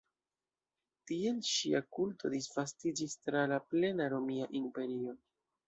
Tiel ŝia kulto disvastiĝis tra la plena Romia imperio.